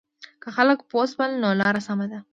که خلک پوه شول نو لاره سمه ده.